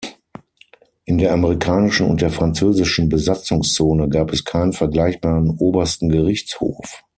In der amerikanischen und der französischen Besatzungszone gab es keinen vergleichbaren obersten Gerichtshof.